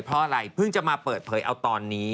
เพราะอะไรเพิ่งจะมาเปิดเผยเอาตอนนี้